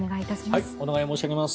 お願い申し上げます。